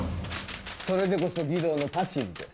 それでこそ儀藤のパシリです。